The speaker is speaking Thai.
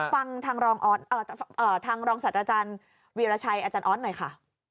ฟังทางรองศัตว์อาจารย์วีรชัยอาจารย์ออสหน่อยค่ะ